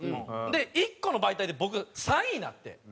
で１個の媒体で僕３位になって。